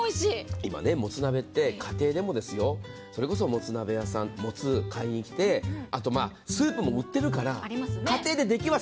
今、もつ鍋って家庭でもそれこそもつを買いに来てあとスープも売ってるから家庭でできます。